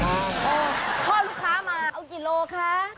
พ่อลูกค้ามาเอากี่โลคะ